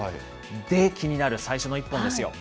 で、気になる最初の１本ですよ。